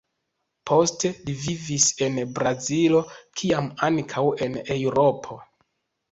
Poste, li vivis en Brazilo kiaj ankaŭ en Eŭropo.